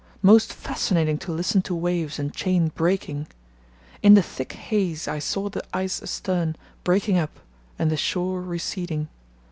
Most fascinating to listen to waves and chain breaking. In the thick haze I saw the ice astern breaking up and the shore receding.